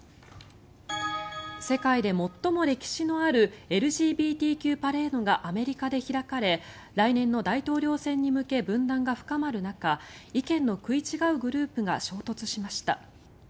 世界で最も歴史のあるＬＧＢＴＱパレードがアメリカで開かれ来年の大統領選に向け分断が深まる中意見の食い違うグループが衝突しました。